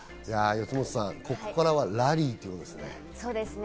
四元さん、ここからはラリーってことですね。